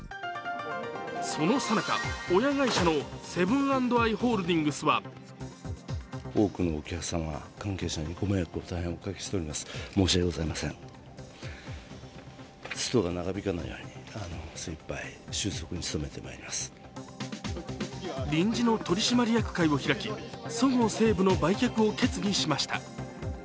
そのさなか、親会社のセブン＆アイ・ホールディングスは臨時の取締役会を開きそごう・西武の売却を決議しました。